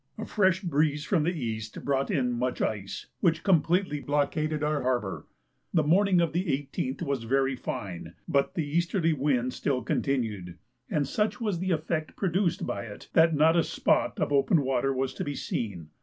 A fresh breeze from the east brought in much ice, which completely blockaded our harbour. The morning of the 18th was very fine, but the easterly wind still continued, and such was the effect produced by it that not a spot of open water was to be seen.